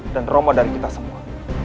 dan romo dari kita semua